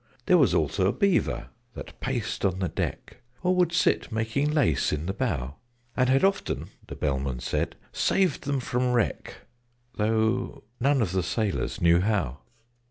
There was also a Beaver, that paced on the deck, Or would sit making lace in the bow: And had often (the Bellman said) saved them from wreck, Though none of the sailors knew how.